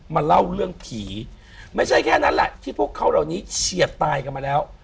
มาเล่าเรื่องผีไม่ใช่แค่นั้นแหละที่พวกเขาเหล่านี้เฉียดตายกันมาแล้ว